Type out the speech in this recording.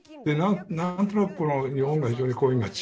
なんとなくこの日本が非常にこう